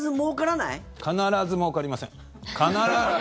必ずもうかりません！